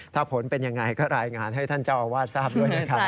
ถ้าผลเป็นยังไงก็รายงานให้ท่านเจ้าอาวาสทราบด้วยนะครับ